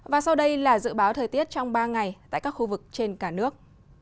và sau đây là dự báo thời tiết trong ba ngày tại các khu vực trên cả nước